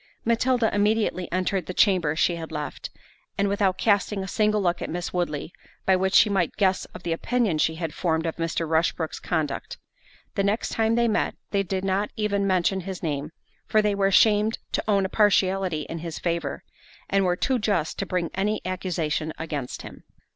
Matilda immediately entered the chamber she had left, and without casting a single look at Miss Woodley by which she might guess of the opinion she had formed of Mr. Rushbrook's conduct. The next time they met they did not even mention his name; for they were ashamed to own a partiality in his favour, and were too just to bring any accusation against him.